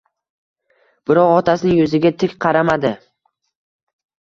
Biroq, otasining yuziga tik qaramadi.